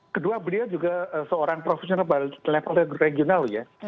kedua beliau juga seorang profesional level regional ya